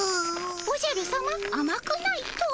おじゃるさまあまくないとは？